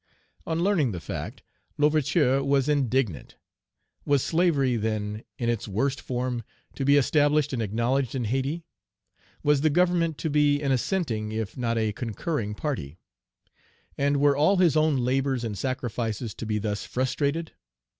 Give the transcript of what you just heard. On learning the fact, L'Ouverture was indignant. Was slavery, then, in its worst form, to be established and acknowledged in Hayti? Was the Government to be an assenting, if not a concurring, party? And were all his own labors and sacrifices to be thus frustrated?